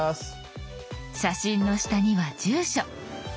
写真の下には住所。